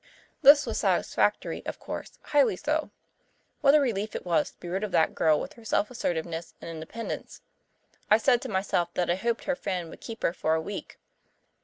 This was satisfactory, of course, highly so. What a relief it was to be rid of that girl with her self assertiveness and independence. I said to myself that I hoped her friend would keep her for a week.